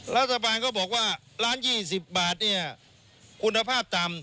รัฐบาลก็บอกว่าล้าน๒๐บาทเนี่ยคุณภาพต่ำ